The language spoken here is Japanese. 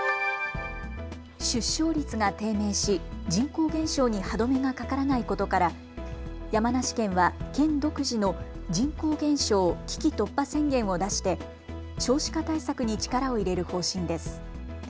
出生率が低迷し、人口減少に歯止めがかからないことから山梨県は県独自の人口減少危機突破宣言を出して少子化対策に力を入れる方針です。